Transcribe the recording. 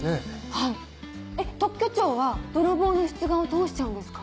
はいえっ特許庁は泥棒の出願を通しちゃうんですか？